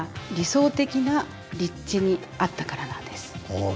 ああ